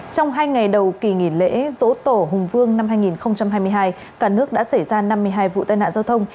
trong hai ngày đầu kỳ nghỉ lễ dỗ tổ hùng vương năm hai nghìn hai mươi hai cả nước đã xảy ra năm mươi hai vụ tai nạn giao thông